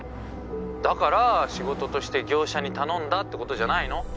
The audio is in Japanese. ☎だから仕事として業者に頼んだってことじゃないの？